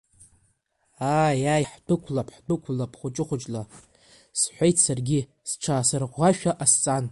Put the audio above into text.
Ааи, ааи, ҳдәықәлап, ҳдәықәлап хәыҷы-хәыҷла, — сҳәеит саргьы, сҽаасырӷәӷәашәа ҟасҵан.